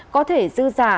có thể dư giả